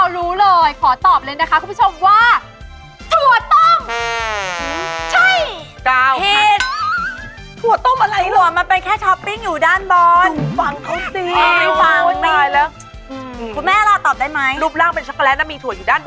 รู้แล้วเรื่องนี้พี่เก้ารู้เลยขอตอบเลยนะคะคุณผู้ชมว่า